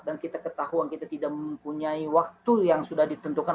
dan kita ketahuan kita tidak mempunyai waktu yang sudah ditentukan